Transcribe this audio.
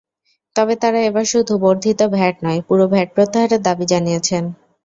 তবে তাঁরা এবার শুধু বর্ধিত ভ্যাট নয়, পুরো ভ্যাট প্রত্যাহারের দাবি জানিয়েছেন।